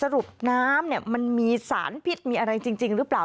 สรุปน้ำเนี่ยมันมีสารพิษมีอะไรจริงหรือเปล่า